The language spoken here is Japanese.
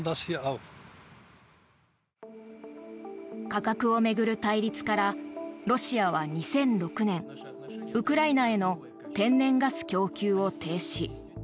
価格を巡る対立からロシアは２００６年ウクライナへの天然ガス供給を停止。